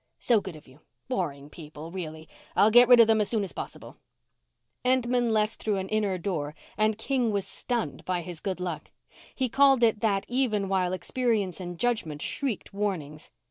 "So good of you. Boring people, really. I'll get rid of them as soon as possible." Entman left through an inner door and King was stunned by his good luck. He called it that even while experience and judgment shrieked warnings.